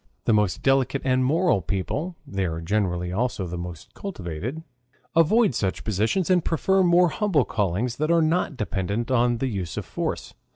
The most delicate and moral people (they are generally also the most cultivated) avoid such positions and prefer more humble callings that are not dependent on the use of force.